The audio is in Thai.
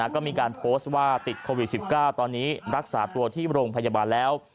ก็มีการโพสต์ว่าติดโควิด๑๙ตอนนี้รักษาตัวที่โรงพยาบาลแล้ว